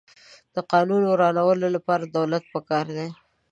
د قانون د ورانولو لپاره دولت پکار دی.